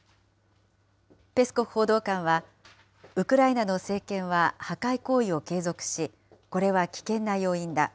ペスコフ報道官は、ウクライナの政権は破壊行為を継続し、これは危険な要因だ。